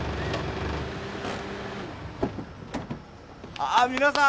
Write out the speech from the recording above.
ああ皆さん。